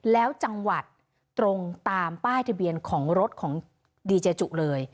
แล้วจังหวัดตรงตามป้ายทะเบียนของรถของดีเจจุเลย